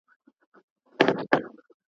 د پنجابي حسن مېرمنې